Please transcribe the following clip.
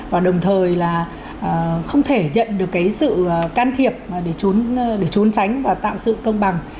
và đồng thời là không thể nhận được cái sự can thiệp để trốn tránh và tạo sự công bằng